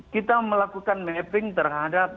kita melakukan mapping terhadap